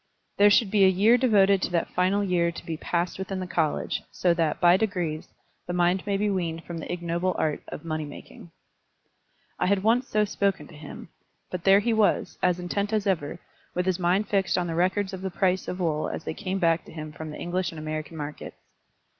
"There should be a year devoted to that final year to be passed within the college, so that, by degrees, the mind may be weaned from the ignoble art of money making." I had once so spoken to him; but there he was, as intent as ever, with his mind fixed on the records of the price of wool as they came back to him from the English and American markets.